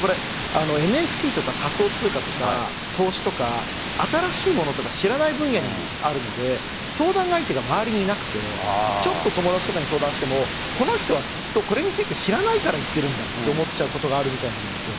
またＮＦＴとか仮想通貨とか投資とか新しいものとか知らない分野にあるので相談相手が周りにいなくてちょっと友達とかに相談してもこの人はきっとこれについて知らないから言っているんだと思っちゃうことがあるみたいなんです。